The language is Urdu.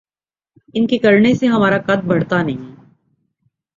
ان کے کرنے سے ہمارا قد بڑھتا نہیں۔